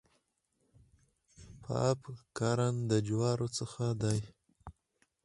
پاپ کارن د جوارو څخه دی.